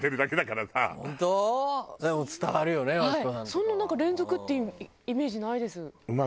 そんななんか連続っていうイメージないです。